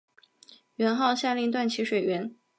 元昊下令断其水源。